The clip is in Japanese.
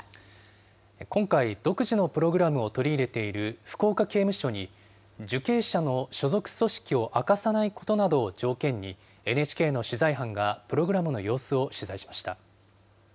今回、独自のプログラムを取り入れている福岡刑務所に、受刑者の所属組織を明かさないことなどを条件に、ＮＨＫの取材班がプログラムの様子を取材しました。